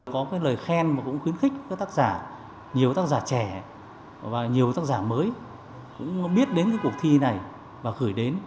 có cái lời khen mà cũng khuyến khích các tác giả nhiều tác giả trẻ và nhiều tác giả mới cũng biết đến cái cuộc thi này và gửi đến